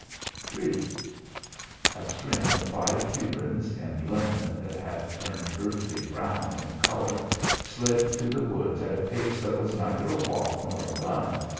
III A string of five Cubans, in linen that had turned earthy brown in colour, slid through the woods at a pace that was neither a walk nor a run.